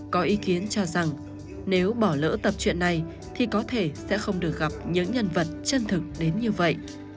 có ý kiến cho rằng nếu bỏ lỡ tập chuyện này thì có thể sẽ không được gặp những nhân vật chân thực đến như vậy